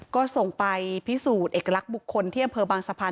ก็ส่งไปพิสูจน์เอกลักษณ์บุคคลที่อำเภอบางสะพาน